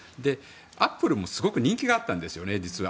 アップルもすごく人気があったんですね、実は。